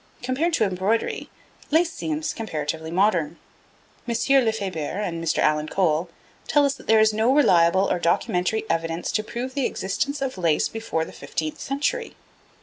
Compared to embroidery, lace seems comparatively modern. M. Lefebure and Mr. Alan Cole tell us that there is no reliable or documentary evidence to prove the existence of lace before the fifteenth century.